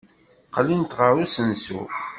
Qqlent ɣer usensu.